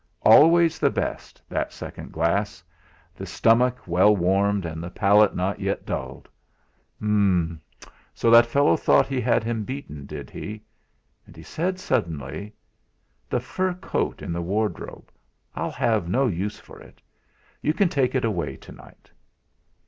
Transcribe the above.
Always the best, that second glass the stomach well warmed, and the palate not yet dulled. Umm! So that fellow thought he had him beaten, did he? And he said suddenly: "The fur coat in the wardrobe, I've no use for it. You can take it away to night."